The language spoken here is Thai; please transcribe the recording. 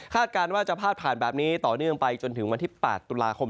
การว่าจะพาดผ่านแบบนี้ต่อเนื่องไปจนถึงวันที่๘ตุลาคม